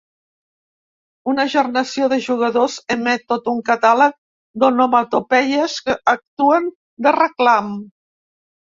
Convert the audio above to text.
Una gernació de jugadors emet tot un catàleg d'onomatopeies que actuen de reclam.